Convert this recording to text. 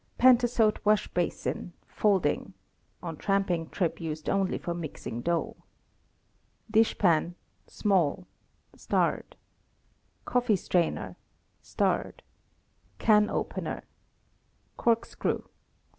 Pantasote wash basin, folding (on tramping trip used only for mixing dough). *Dish pan, small. *Coffee strainer. |]^Can opener. "^ *Corkscrew.